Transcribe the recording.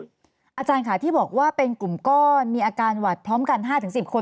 อาจารย์ค่ะที่บอกว่าเป็นกลุ่มก้อนมีอาการหวัดพร้อมกัน๕๑๐คน